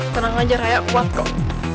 tenang aja kayak kuat kok